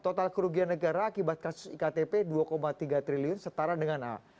total kerugian negara akibat kasus iktp dua tiga triliun setara dengan a